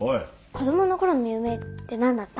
子供の頃の夢って何だった？